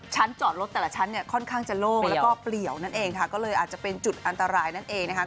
จอดรถแต่ละชั้นเนี่ยค่อนข้างจะโล่งแล้วก็เปลี่ยวนั่นเองค่ะก็เลยอาจจะเป็นจุดอันตรายนั่นเองนะคะ